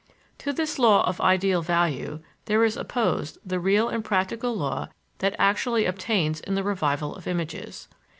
To this law of ideal value, there is opposed the real and practical law that actually obtains in the revival of images.